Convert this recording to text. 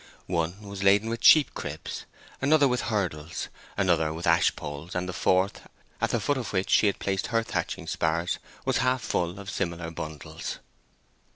One was laden with sheep cribs, another with hurdles, another with ash poles, and the fourth, at the foot of which she had placed her thatching spars was half full of similar bundles.